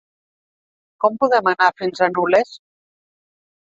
Com podem anar fins a Nules?